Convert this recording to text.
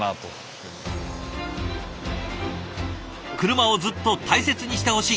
車をずっと大切にしてほしい。